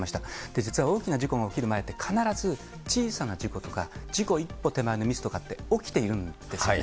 実は大きな事故が起きる前って、必ず小さな事故とか、事故一歩手前のミスとかって起きているんですよね。